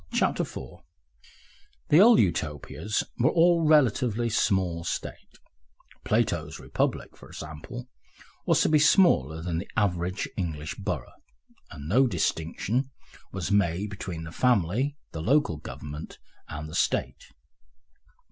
Section 4 The older Utopias were all relatively small states; Plato's Republic, for example, was to be smaller than the average English borough, and no distinction was made between the Family, the Local Government, and the State.